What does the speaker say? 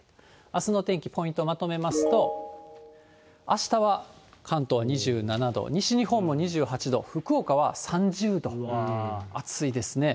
あすの天気、ポイントをまとめますと、あしたは関東２７度、西日本も２８度、福岡は３０度、暑いですね。